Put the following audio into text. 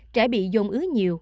trẻ bị dồn ứ nhiều